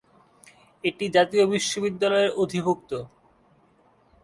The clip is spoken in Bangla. এটি জাতীয় বিশ্ববিদ্যালয়ের অধিভুক্ত।